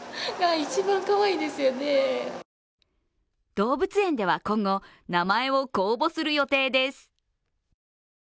動物園では今後、名前を公募する予定です。